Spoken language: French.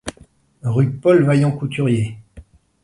Rue Paul Vaillant Couturier.